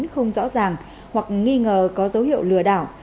không rõ ràng hoặc nghi ngờ có dấu hiệu lừa đảo